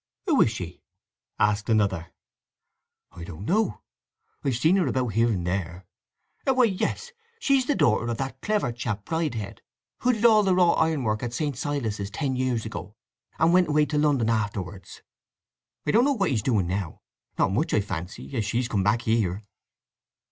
"Who is she?" asked another. "I don't know—I've seen her about here and there. Why, yes, she's the daughter of that clever chap Bridehead who did all the wrought ironwork at St. Silas' ten years ago, and went away to London afterwards. I don't know what he's doing now—not much I fancy—as she's come back here."